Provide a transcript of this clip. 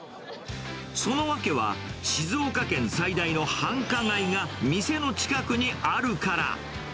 その訳は、静岡県最大の繁華街が店の近くにあるから。